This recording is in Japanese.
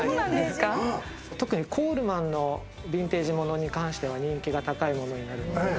特にコールマンのビンテージ物に関しては、人気が高いものになります。